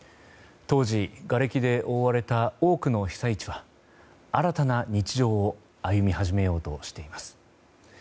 当時、がれきで覆われた多くの被災地は新たな日常を歩み始めようとしています。